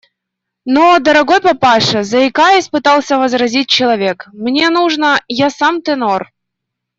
– Но, дорогой папаша, – заикаясь, пытался возразить человек, – мне нужно… я сам тенор.